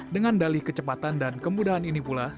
dengan dalih kecepatan dan kemudahan ini pula